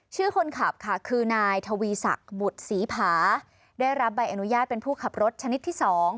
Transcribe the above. คนขับค่ะคือนายทวีศักดิ์บุตรศรีผาได้รับใบอนุญาตเป็นผู้ขับรถชนิดที่๒